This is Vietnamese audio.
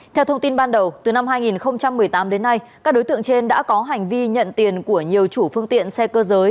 theo thông tin ban đầu từ năm hai nghìn một mươi tám đến nay các đối tượng trên đã có hành vi nhận tiền của nhiều chủ phương tiện xe cơ giới